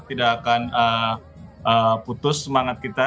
tidak akan putus semangat kita